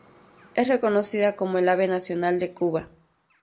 Es reconocida como el ave nacional de Cuba.